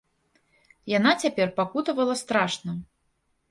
Яна цяпер пакутавала страшна.